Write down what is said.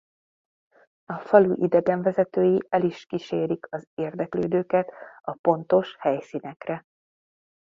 A falu idegenvezetői el is kísérik az érdeklődőket a pontos helyszínekre.